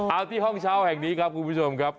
เอาที่ห้องเช่าแห่งนี้ครับคุณผู้ชมครับ